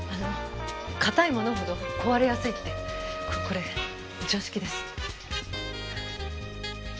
堅い物ほど壊れやすいってこれ常識です。